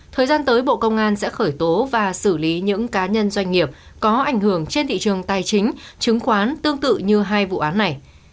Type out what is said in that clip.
thời gian tới bộ công an sẽ khởi tố và xử lý những cá nhân doanh nghiệp có ảnh hưởng trên thị trường tài chính chứng khoán tương tự như hai vụ án này